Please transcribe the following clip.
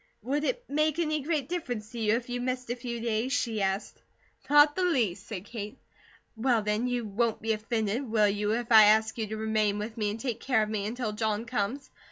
"Would it make any great difference to you if you missed a few days?" she asked. "Not the least," said Kate. "Well, then, you won't be offended, will you, if I ask you to remain with me and take care of me until John comes?